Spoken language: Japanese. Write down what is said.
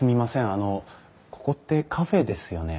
あのここってカフェですよね？